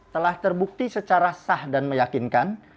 telah terbukti secara sah dan meyakinkan